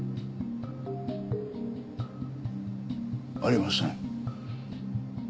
ありません。